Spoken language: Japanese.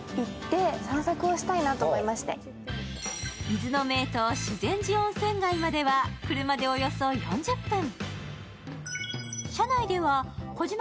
伊豆の名湯、修善寺温泉街までは車でおよそ４０分。